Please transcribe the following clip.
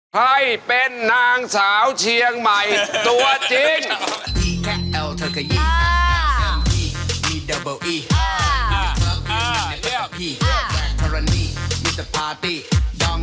ให้เป็นนางสาวเชียงใหม่ตัวจริง